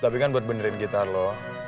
tapi kan buat benerin gitar lo